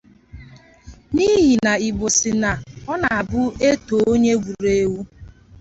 N'ihi na Igbo sị na ọ na-abụ e tòó onye gburu ewu